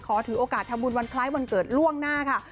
ถือโอกาสทำบุญวันคล้ายวันเกิดล่วงหน้าค่ะ